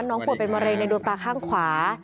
ป่วยเป็นมะเร็งในดวงตาข้างขวา